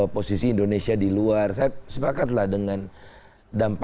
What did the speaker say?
posisi indonesia di luar saya sepakatlah dengan dampak